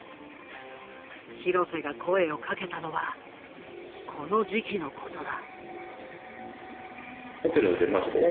廣瀬が声をかけたのはこの時期のことだ。